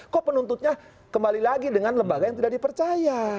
kok penuntutnya kembali lagi dengan lembaga yang tidak dipercaya